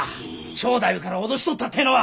蝶太夫から脅し取ったってのは。